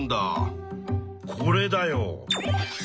これだよ。